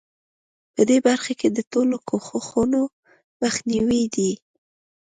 په دې برخه کې د ټولو کوښښونو مخنیوی دی.